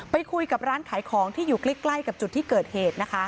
ไปคุยกับร้านขายของที่อยู่ใกล้กับจุดที่เกิดเหตุนะคะ